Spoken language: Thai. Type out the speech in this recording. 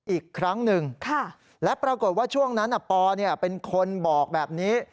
อีกครั้งหนึ่งและปรากฏว่าช่วงนั้นปอเป็นคนบอกแบบนี้